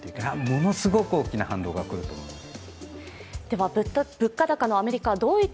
ものすごく大きな反動が来ると思います。